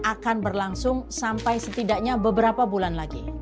akan berlangsung sampai setidaknya beberapa bulan lagi